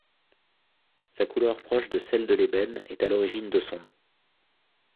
Sa couleur proche de celle de l'ébène est à l'origine de son nom.